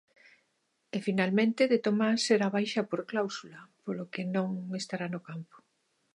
E finalmente De Tomás será baixa por cláusula, polo que non estará no campo.